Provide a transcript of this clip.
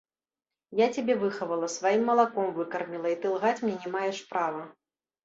Я цябе выхавала, сваім малаком выкарміла, і ты лгаць мне не маеш права.